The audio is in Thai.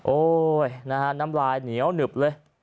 โอ้ยน้ำลายเหนียวเหนืบเลย